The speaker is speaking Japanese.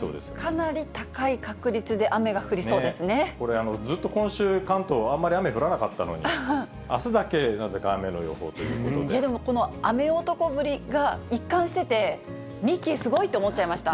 かなり高い確率で雨が降りそこれ、ずっと今週、関東、あんまり雨降らなかったのに、あすだけなぜか雨の予報というこでもこの雨男ぶりが一貫してて、ミッキー、すごいって思っちゃいました。